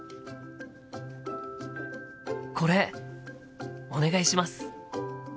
これお願いします。